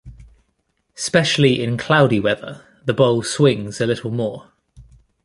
Specially in cloudy weather the bowl swings a little more.